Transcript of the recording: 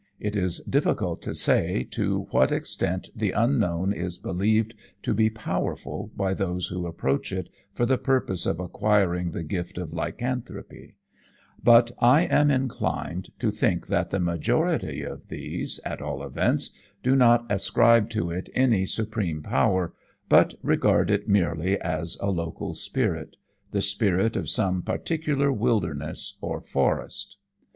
It is difficult to say to what extent the Unknown is believed to be powerful by those who approach it for the purpose of acquiring the gift of lycanthropy; but I am inclined to think that the majority of these, at all events, do not ascribe to it any supreme power, but regard it merely as a local spirit the spirit of some particular wilderness or forest.